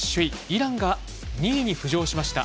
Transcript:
イランが２位に浮上しました。